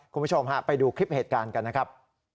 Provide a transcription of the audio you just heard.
คุณผู้ชมฮะไปดูคลิปเหตุการณ์กันนะครับ